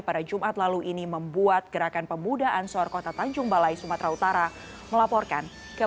pada jumat lalu ini membuat gerakan pemuda ansor kota tanjung balai sumatera utara melaporkan ke